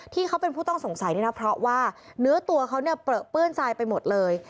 ที่เขาเป็นผู้ต้องสงสัยนี่นะเพราะว่าเนื้อตัวเขาเนี่ยเปลือเปื้อนทรายไปหมดเลย